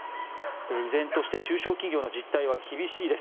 依然として中小企業の実態は厳しいです。